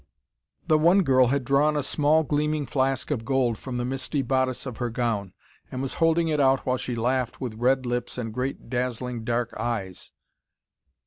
The one girl had drawn a small, gleaming flask of gold from the misty bodice of her gown, and was holding it out while she laughed with red lips and great, dazzling dark eyes.